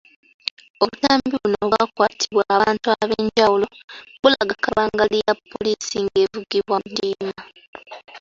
Obutambi buno obwakwatibwa abantu ab’enjawulo, bulaga kabangali ya poliisi ng’evugibwa ndiima .